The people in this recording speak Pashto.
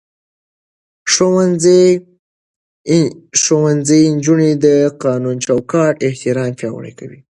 ښوونځی نجونې د قانوني چوکاټ احترام پياوړې کوي.